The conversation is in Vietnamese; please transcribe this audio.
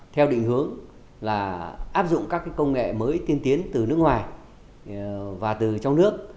theo định hướng là áp dụng các công nghệ mới tiên tiến từ nước ngoài và từ trong nước